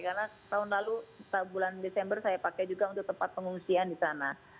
karena tahun lalu bulan desember saya pakai juga untuk tempat pengungsian di sana